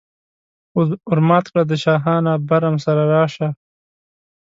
ور مات کړه د شاهانه برم سره راشه.